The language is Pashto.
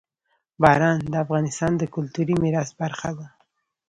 باران د افغانستان د کلتوري میراث برخه ده.